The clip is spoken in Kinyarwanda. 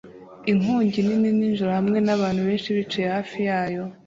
Inkongi nini nijoro hamwe nabantu benshi bicaye hafi yayo